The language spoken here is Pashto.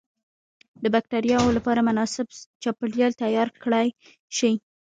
د بکترياوو لپاره مناسب چاپیریال تیار کړای شي.